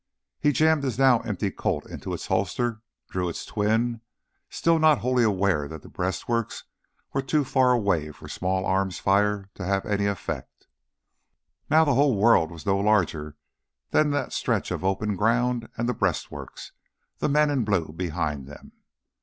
He jammed his now empty Colt into its holster, drew its twin, still not wholly aware that the breastworks were too far away for small arms' fire to have any effect. Now the whole world was no larger than that stretch of open ground and the breastworks, the men in blue behind them.